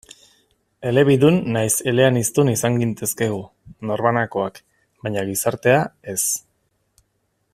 Elebidun nahiz eleaniztun izan gintezke gu, norbanakoak, baina gizartea, ez.